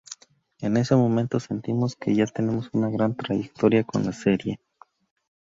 En este momento sentimos que ya tenemos una gran trayectoria con la serie.